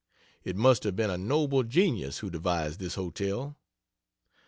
It must have been a noble genius who devised this hotel.